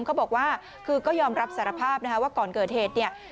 เขาบอกว่าคือก็ยอมรับสารภาพนะคะว่าก่อนเกิดเหตุเนี่ย